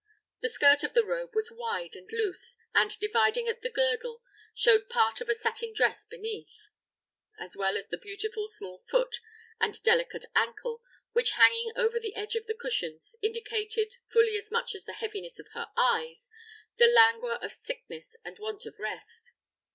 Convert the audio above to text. The skirt of the robe was wide and loose, and, dividing at the girdle, showed part of a satin dress beneath, as well as the beautiful small foot and delicate ankle, which, hanging over the edge of the cushions, indicated, fully as much as the heaviness of her eyes, the languor of sickness and want of rest.